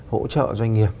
hỗ trợ doanh nghiệp